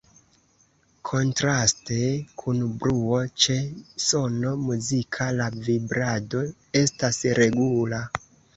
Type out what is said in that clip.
Kontraste kun bruo, ĉe sono muzika la vibrado estas regula.